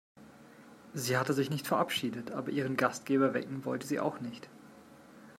Sie hatte sich nicht verabschiedet, aber ihren Gastgeber wecken wollte sie auch nicht.